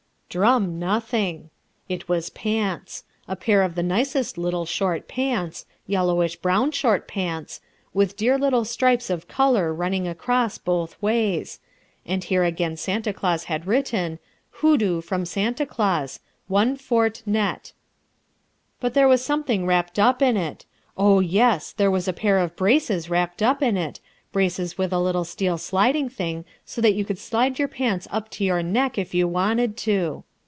Drum nothing! It was pants a pair of the nicest little short pants yellowish brown short pants with dear little stripes of colour running across both ways, and here again Santa Claus had written, "Hoodoo, from Santa Claus, one fort net." But there was something wrapped up in it. Oh, yes! There was a pair of braces wrapped up in it, braces with a little steel sliding thing so that you could slide your pants up to your neck, if you wanted to.